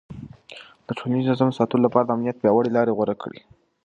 ده د ټولنيز نظم ساتلو لپاره د امنيت پياوړې لارې غوره کړې.